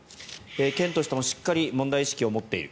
県としてもしっかり問題意識を持っている。